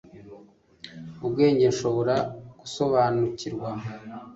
Ubwenge nshobora gusobanukirwa